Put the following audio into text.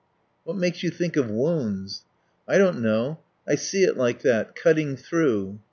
"What makes you think of wounds?" "I don't know. I see it like that. Cutting through."